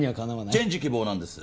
チェンジ希望なんです